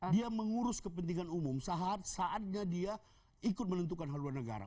dia mengurus kepentingan umum saat saatnya dia ikut menentukan haluan negara